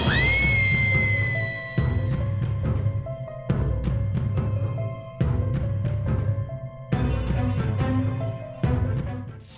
วิทยาลัยกรรมแบบแบบ